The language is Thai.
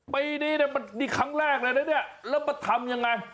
ไปนี่ครั้งแรกแล้วนะเนี่ยแล้วมาทำยังไง